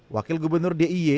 wakil gubernur diy